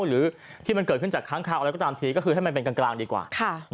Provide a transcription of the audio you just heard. หรือที่มันเกิดขึ้นจากค้างคาวอะไรก็ตามทีก็คือให้มันเป็นกลางดีกว่า